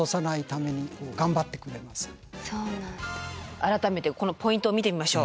改めてこのポイントを見てみましょう。